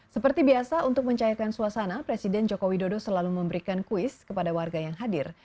seperti biasa untuk mencairkan suasana presiden joko widodo selalu memberikan kuis kepada warga yang hadir